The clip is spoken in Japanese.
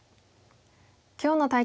今日の対局